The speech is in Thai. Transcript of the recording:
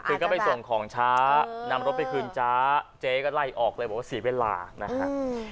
คือก็ไปส่งของช้านำรถไปคืนจ๊ะเจ๊ก็ไล่ออกเลยบอกว่าเสียเวลานะฮะ